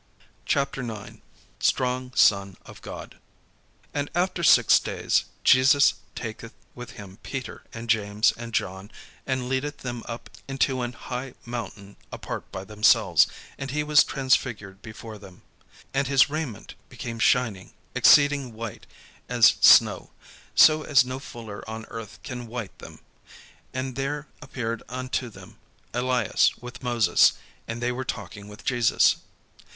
CHAPTER IX STRONG SON OF GOD And after six days, Jesus taketh with him Peter, and James, and John, and leadeth them up into an high mountain apart by themselves: and he was transfigured before them. And his raiment became shining, exceeding white as snow; so as no fuller on earth can white them. And there appeared unto them Elias with Moses: and they were talking with Jesus.